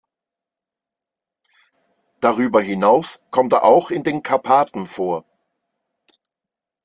Darüber hinaus kommt er auch in den Karpaten vor.